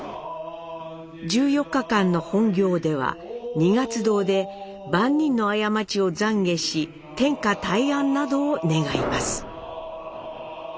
１４日間の本行では二月堂で万人の過ちを懺悔し天下泰安などを願います。